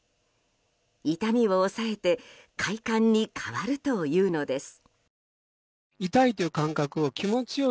痛みを抑えて快感に変わるというのです。